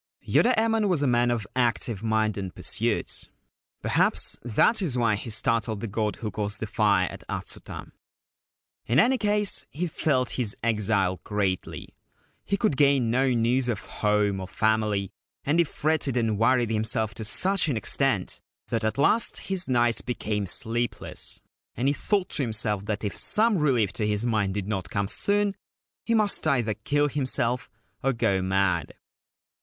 Yoda Emon was a man of active mind and pursuits. Perhaps that is why he startled the god who caused the fire at Atsuta. In any case, he felt his exile greatly. He could gain no news of home or family, and he fretted and worried himself to such an extent that at last his nights became sleepless and he thought to himself that if some relief to his mind did not come soon he must either kill himself or go mad.